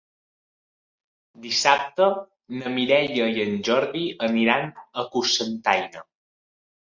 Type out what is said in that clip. Dissabte na Mireia i en Jordi aniran a Cocentaina.